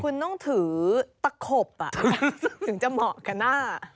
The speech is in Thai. ว่าว่าคุณน้องถือตะเข็บอ่ะถึงจะเหมาะกับหน้า